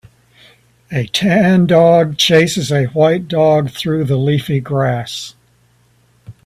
A tan dog chases a white dog through the leafy grass